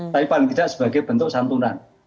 tapi paling tidak sebagai bentuk santunan